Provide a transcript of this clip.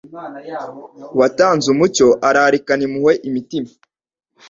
Uwatanze umucyo arararikana impuhwe imitima,